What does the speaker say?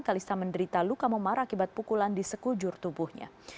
kalista menderita luka memar akibat pukulan di sekujur tubuhnya